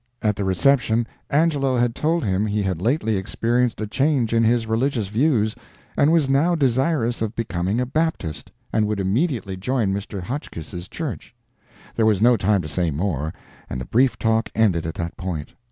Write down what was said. At the reception Angelo had told him he had lately experienced a change in his religious views, and was now desirous of becoming a Baptist, and would immediately join Mr. Hotchkiss's church. There was no time to say more, and the brief talk ended at that point.